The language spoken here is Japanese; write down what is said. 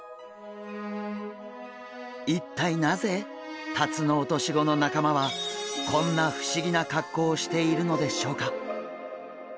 一体なぜタツノオトシゴの仲間はこんな不思議な格好をしているのでしょうか？